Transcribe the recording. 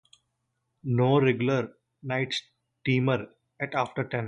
No regular night steamer at after ten.